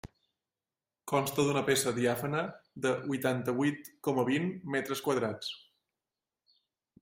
Consta d'una peça diàfana de huitanta-huit coma vint metres quadrats.